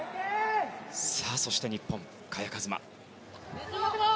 そして日本、萱和磨。